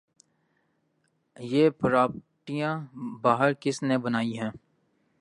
یہ پراپرٹیاں باہر کس نے بنائی ہیں؟